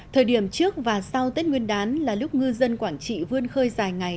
thời điểm trước và sau tết nguyên đán là lúc ngư dân quảng trị vươn khơi dài ngày